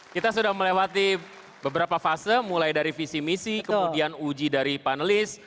kita sudah melewati beberapa fase mulai dari visi misi kemudian uji dari panelis